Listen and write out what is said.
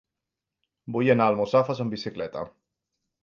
Vull anar a Almussafes amb bicicleta.